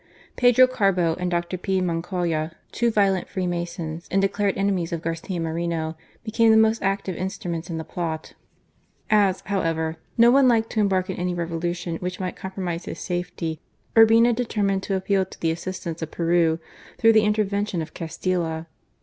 Pedro Carbo, and Dr. P. Moncayo, two violent Freemasons and declared enemies of Garcia Moreno, became the most active instruments in the plot. As, however, no one liked to embark in any revolution which might compromise his safety, Urbina deter A VIOLENT REACTION, 131 mined to appeal to the assistance of Peru, through the intervention of Castilla.